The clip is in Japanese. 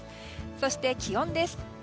そして気温です。